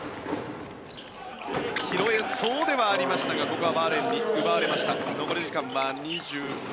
拾えそうではありましたがここはバーレーンに奪われました。